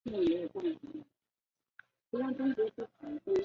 网络战役中的文明和地图模式和个人单机版是通用的。